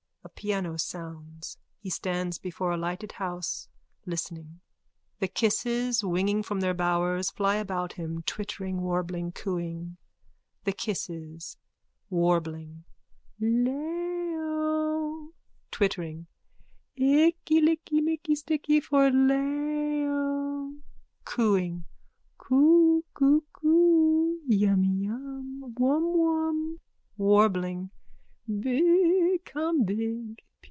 A piano sounds. He stands before a lighted house, listening. The kisses, winging from their bowers, fly about him, twittering, warbling, cooing.)_ THE KISSES: (Warbling.) Leo! (Twittering.) Icky licky micky sticky for Leo! (Cooing.) Coo coocoo! Yummyyum, Womwom! (Warbling.) Big comebig!